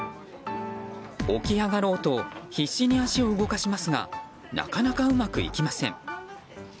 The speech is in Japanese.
起き上がろうと必死に足を動かしますがなかなかうまくいきません。